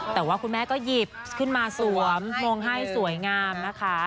แต่ว่าคุณแม่ก็หยิบขึ้นมาสวมชงให้สวยงามนะคะ